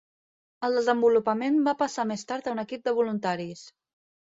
El desenvolupament va passar més tard a un equip de voluntaris.